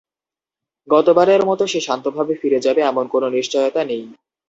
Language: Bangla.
গতবারের মতো সে যে শান্তভাবে ফিরে যাবে এমন কোনো নিশ্চয়তা নেই।